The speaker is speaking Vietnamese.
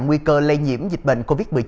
nguy cơ lây nhiễm dịch bệnh covid một mươi chín